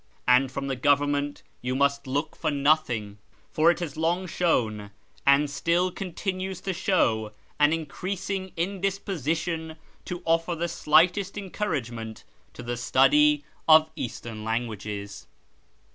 And from the Government you must look for nothing, for it has long shown, and still continues to show, an increasing indisposition to offer the slightest encouragement to the study of Eastern languages."